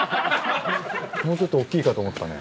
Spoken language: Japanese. もうちょっと大っきいかと思ったね。